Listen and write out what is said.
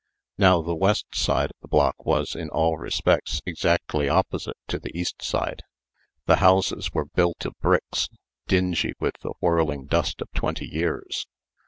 Now, the west side of the block was in all respects, exactly opposite to the east side. The houses were built of bricks, dingy with the whirling dust of twenty years.